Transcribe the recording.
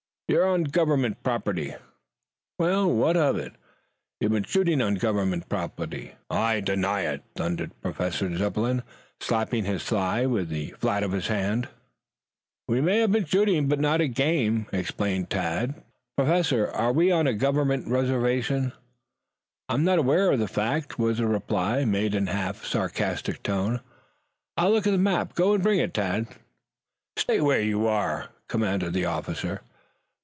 "You're on government property." "Well, what of it?" "You've been shooting on government property?" "I deny it," thundered Professor Zepplin, slapping his thigh with the flat of his hand. "We may have been shooting, but not at game," explained Tad. "Professor, are we on a government reservation?" "I was not aware of the fact," was the reply, made in a half sarcastic tone. "I'll look at the map. Go and bring it, Tad." "Stay where you are!" commanded the officer.